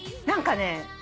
何かね